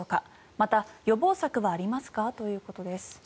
また、予防策はありますかということです。